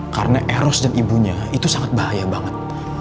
karena eros dan ibunya itu sangat bahaya banget